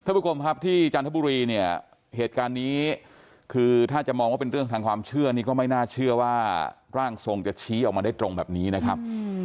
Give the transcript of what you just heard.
ผู้ชมครับที่จันทบุรีเนี่ยเหตุการณ์นี้คือถ้าจะมองว่าเป็นเรื่องทางความเชื่อนี่ก็ไม่น่าเชื่อว่าร่างทรงจะชี้ออกมาได้ตรงแบบนี้นะครับ